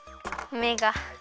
めが。